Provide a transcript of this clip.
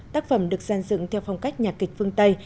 tác phẩm được gian dựng theo phong cách nhạc kịch phương tây